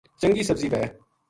چنگی سبزی وھے